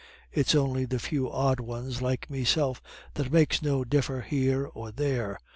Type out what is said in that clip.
It's on'y a few odd ones like meself that makes no differ here or there.